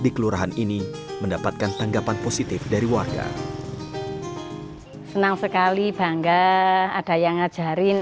di kelurahan ini mendapatkan tanggapan positif dari warga senang sekali bangga ada yang ngajarin